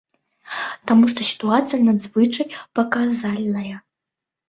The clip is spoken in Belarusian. Таму што сітуацыя надзвычай паказальная.